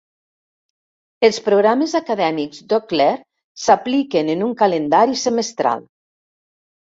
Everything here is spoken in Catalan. Els programes acadèmics d'Eau Claire s'apliquen en un calendari semestral.